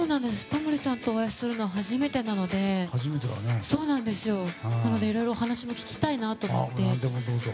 タモリさんとお会いするのは初めてなのでなので、いろいろお話も聞きたいなと思っていて。